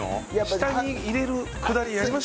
下に入れるくだりやりました？